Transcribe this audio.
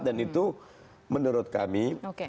dan itu menurut kami